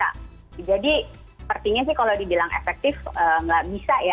jadi sepertinya sih kalau dibilang efektif nggak bisa ya